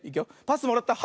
パスもらった。